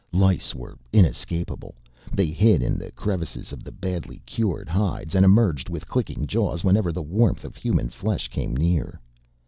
Lice were inescapable, they hid in the crevices of the badly cured hides and emerged with clicking jaws whenever the warmth of human flesh came near.